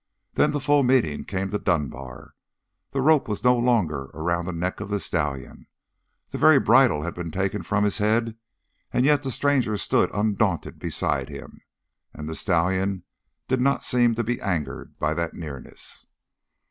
Then the full meaning came to Dunbar. The rope was no longer around the neck of the stallion. The very bridle had been taken from his head, and yet the stranger stood undaunted beside him, and the stallion did not seem to be angered by that nearness.